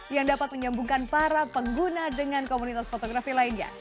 yang dapat menyambungkan para pengguna dengan komunitas fotografi lainnya